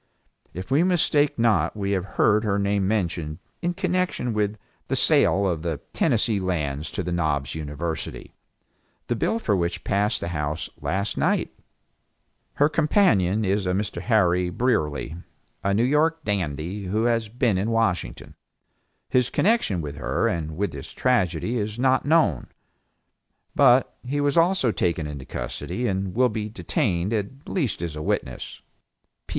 If we mistake not we have heard her name mentioned in connection with the sale of the Tennessee Lands to the Knobs University, the bill for which passed the House last night. Her companion is Mr. Harry Brierly, a New York dandy, who has been in Washington. His connection with her and with this tragedy is not known, but he was also taken into custody, and will be detained at least as a witness.